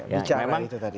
bicara itu tadi